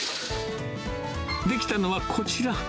出来たのはこちら。